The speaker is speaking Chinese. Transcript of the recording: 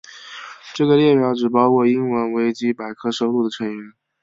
这个列表只包括英文维基百科收录的成员。